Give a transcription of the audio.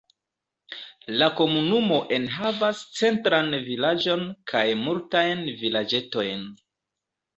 La komunumo enhavas centran vilaĝon kaj multajn vilaĝetojn.